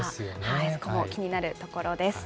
そこも気になるところです。